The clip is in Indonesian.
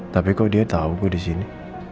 tapi kok dia tahu gue di sini